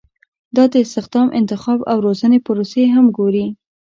دا د استخدام، انتخاب او روزنې پروسې هم ګوري.